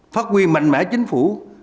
phát huy mạnh mẽ chính phủ